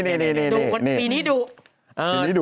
ปีนี้ดุ